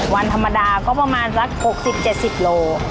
วันธรรมดาก็ประมาณสัก๖๐๗๐โล